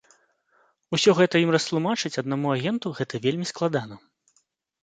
Усё гэта ім растлумачыць аднаму агенту гэта вельмі складана.